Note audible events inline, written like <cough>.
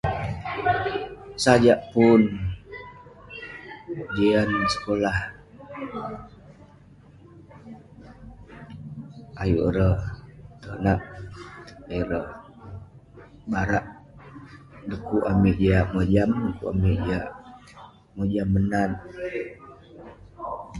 <noise> Sajak pun, jian sekulah...ayuk ireh tonak, ayuk ireh barak dukuk amik jiak mojam, dukuk amik jiak mojam menat.